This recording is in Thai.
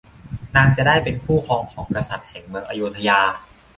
นางจะได้เป็นคู่ครองของกษัตริย์แห่งเมืองอโยธยา